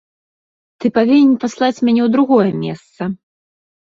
Ты павінен паслаць мяне ў другое месца.